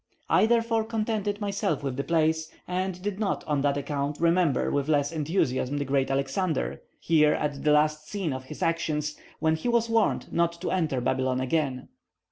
I therefore contented myself with the place, and did not, on that account, remember with less enthusiasm the great Alexander, here at the last scene of his actions, when he was warned not to enter Babylon again.